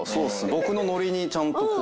僕のノリにちゃんとこう。